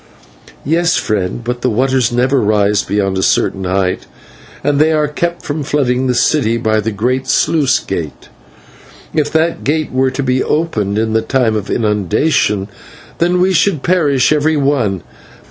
"Yes, friend, but the waters never rise beyond a certain height, and they are kept from flooding the city by the great sluice gate. If that gate were to be opened in the time of inundation, then we should perish, every one.